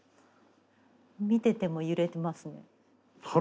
見てても揺れてますね。